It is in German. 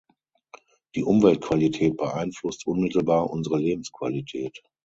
Die Umweltqualität beeinflusst unmittelbar unsere Lebensqualität.